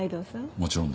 もちろんです。